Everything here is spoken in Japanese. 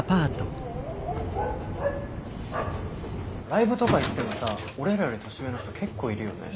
ライブとか行ってもさ俺らより年上の人結構いるよね。